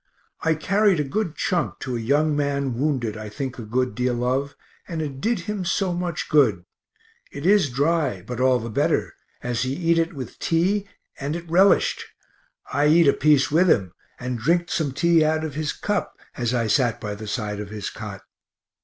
I carried a good chunk to a young man wounded I think a good deal of, and it did him so much good it is dry, but all the better, as he eat it with tea and it relished. I eat a piece with him, and drinked some tea out of his cup, as I sat by the side of his cot.